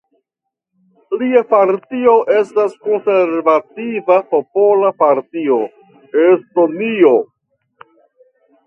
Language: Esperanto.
Lia partio estas Konservativa popola partio (Estonio).